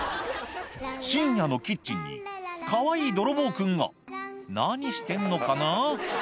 深夜のキッチンにかわいい泥棒君が何してんのかな？